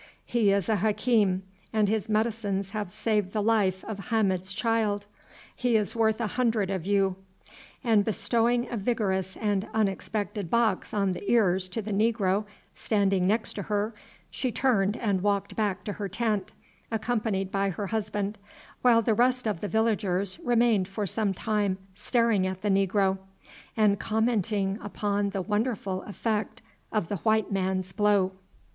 He is a Hakim, and his medicines have saved the life of Hamid's child. He is worth a hundred of you." And bestowing a vigorous and unexpected box on the ears to the negro standing next to her she turned and walked back to her tent, accompanied by her husband, while the rest of the villagers remained for some time staring at the negro, and commenting upon the wonderful effect of the white man's blow.